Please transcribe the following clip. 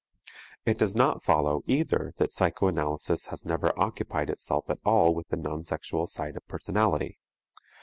It does not follow, either, that psychoanalysis has never occupied itself at all with the non sexual side of personality.